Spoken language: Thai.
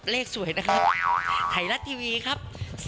เลขสวยนะครับไทยรัฐทีวีครับ